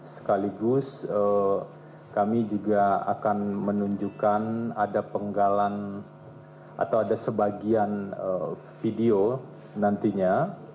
sekaligus kami juga akan menunjukkan ada penggalan atau ada sebagian video nantinya